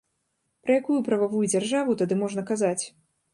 Пра якую прававую дзяржаву тады можна казаць?